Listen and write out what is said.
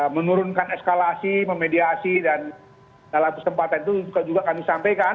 menurunkan eskalasi memediasi dan dalam kesempatan itu juga kami sampaikan